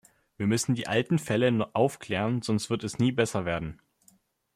Wir müssen die alten Fälle aufklären, sonst wird es nie besser werden.